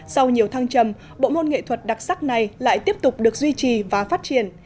sau nhiều thăng trầm bộ môn nghệ thuật đặc sắc này lại tiếp tục được duy trì và phát triển